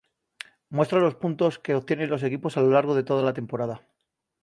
Muestra los puntos que obtienen los equipos a lo largo de toda la temporada.